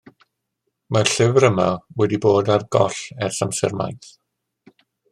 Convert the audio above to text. Mae'r llyfr yma wedi bod ar goll ers amser maith.